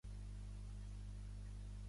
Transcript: El meu nom és Romeo: erra, o, ema, e, o.